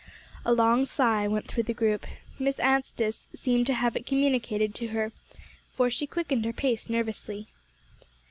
A long sigh went through the group. Miss Anstice seemed to have it communicated to her, for she quickened her pace nervously.